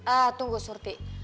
ah tunggu surti